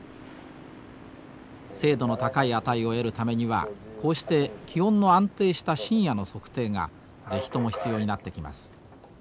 精度の高い値を得るためにはこうして気温の安定した深夜の測定が是非とも必要になってきます。